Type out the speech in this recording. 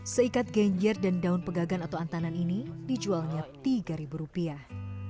seikat genjer dan daun pegagan atau antanan ini dijualnya tiga ribu rupiah